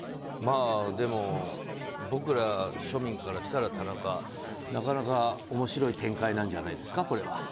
でも、僕ら庶民からしたら田中なかなか面白い展開なんじゃないですか？